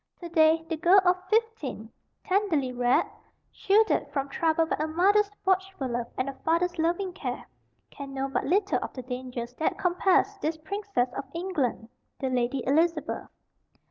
To day the girl of fifteen, tenderly reared, shielded from trouble by a mother's watchful love and a father's loving care, can know but little of the dangers that compassed this princess of England, the Lady Elizabeth.